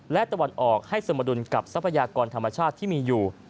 และตะวันออกให้สมดุลกับทรัพยากรธรรมชาติที่มีอยู่